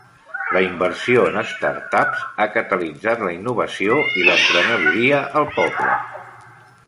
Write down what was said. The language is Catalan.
La inversió en startups ha catalitzat la innovació i la emprenedoria al poble.